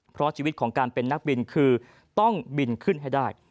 เพราะชีวิตของการเป็นนักบินคือต้องบินขึ้นให้ได้